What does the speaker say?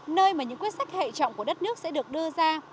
nơi mà những quyết sách hệ trọng của đất nước sẽ được đưa ra